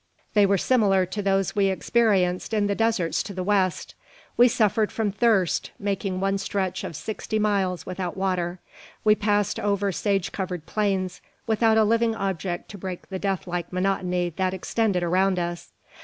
They were similar to those we experienced in the deserts to the west. We suffered from thirst, making one stretch of sixty miles without water. We passed over sage covered plains, without a living object to break the death like monotony that extended around us.